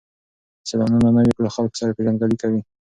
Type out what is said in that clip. سیلانیان له نویو خلکو سره پیژندګلوي کوي.